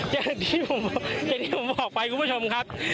อย่างที่ผมบอกไปคุณผู้ชมครับ